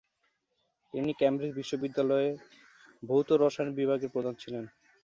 তিনি কেমব্রিজ বিশ্ববিদ্যালয়ের ভৌত রসায়ন বিভাগের প্রধান ছিলেন।